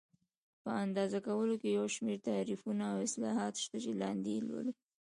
په اندازه کولو کې یو شمېر تعریفونه او اصلاحات شته چې لاندې یې لولو.